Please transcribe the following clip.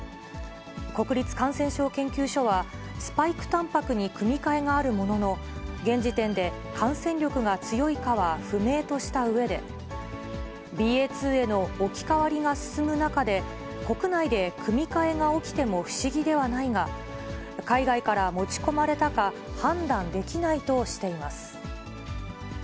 国立感染症研究所は、スパイクたんぱくに組み換えがあるものの、現時点で感染力が強いかは不明としたうえで、ＢＡ．２への置き換わりが進む中で、国内で組み換えが起きても不思議ではないが、海外から持ち込まれたか、判断できないとしています。